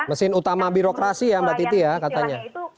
mesin utama birokrasi ya mbak titi ya katanya